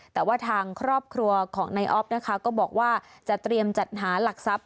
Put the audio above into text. แต่ว่าทางครอบครัวของนายอ๊อฟนะคะก็บอกว่าจะเตรียมจัดหาหลักทรัพย